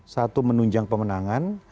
satu menunjang pemenangan